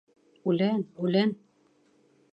— Үлән, үлән!